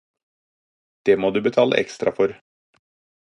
Det må du betale ekstra for.